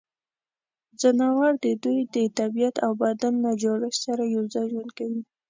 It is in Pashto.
ځناور د دوی د طبعیت او بدن له جوړښت سره یوځای ژوند کوي.